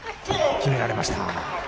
決められました。